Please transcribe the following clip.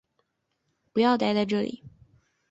不要待在这里